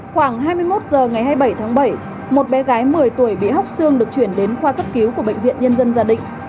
khoảng hai mươi một h ngày hai mươi bảy tháng bảy một bé gái một mươi tuổi bị hóc xương được chuyển đến khoa cấp cứu của bệnh viện nhân dân gia đình